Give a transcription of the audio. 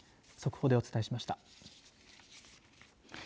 速報でお伝えしました。